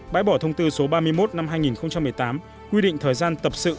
bãi bỏ thông tư số ba mươi một năm hai nghìn một mươi tám quy định thời gian tập sự